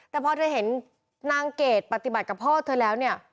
แต่พอเธอเห็นนางเกดปฏิบัติกับพ่อเธอแล้วเนี่ย